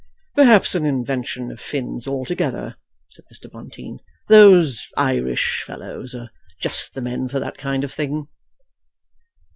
"Perhaps an invention of Finn's altogether," said Mr. Bonteen. "Those Irish fellows are just the men for that kind of thing."